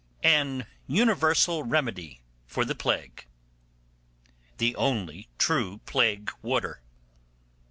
'An universal remedy for the plague.' 'The only true plague water.